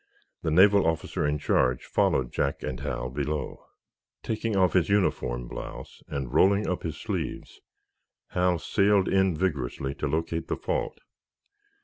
The naval officer in charge followed Jack and Hal below. Taking off his uniform blouse and rolling up his sleeves, Hal sailed in vigorously to locate the fault.